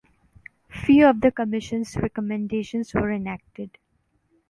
Few of the Commission's recommendations were enacted.